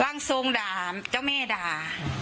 ร่างทรงด่าเจ้าแม่ด่า